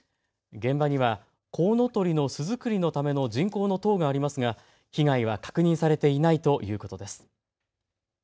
現場にはコウノトリの巣作りのための人工の塔がありますが被害は確認されていないということです。